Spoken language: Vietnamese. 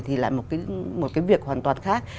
thì là một cái việc hoàn toàn khác